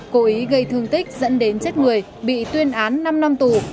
cố ý gây thương tích dẫn đến chết người bị tuyên án năm năm tù